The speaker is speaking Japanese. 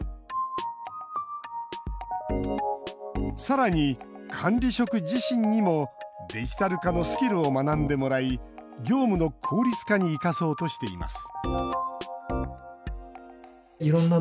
さらに、管理職自身にもデジタル化のスキルを学んでもらい業務の効率化に生かそうとしています